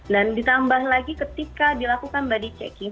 dan ditambah lagi ketika dilakukan body checking